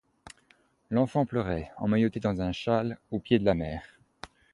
L'enfant pleurait, emmaillotté dans un châle, aux pieds de la mère.